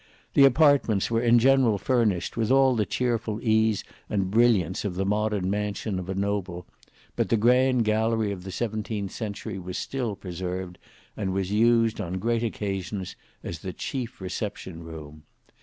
The apartments were in general furnished with all the cheerful ease and brilliancy of the modern mansion of a noble, but the grand gallery of the seventeenth century was still preserved, and was used on great occasions as the chief reception room.